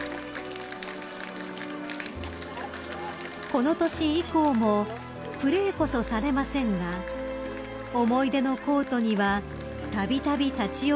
［この年以降もプレーこそされませんが思い出のコートにはたびたび立ち寄られています］